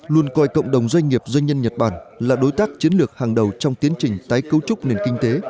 luôn coi cộng đồng doanh nghiệp doanh nhân nhật bản là đối tác chiến lược hàng đầu trong tiến trình tái cấu trúc nền kinh tế